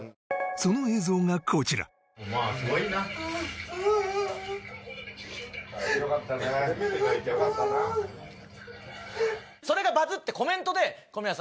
その映像がこちらそれがバズってコメントで。